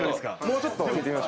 もうちょっと？